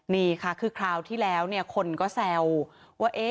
นี่ค่ะคือคราวที่แล้วคนก็แซวว่า